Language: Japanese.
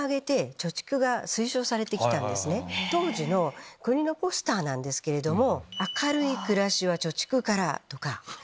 当時の国のポスターなんですけれども。